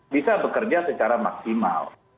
bisa bekerja secara maksimal